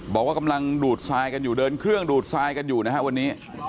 บอกว่ากำลังดูดทรายกันอยู่เดินเครื่องดูดทรายกันอยู่นะฮะวันนี้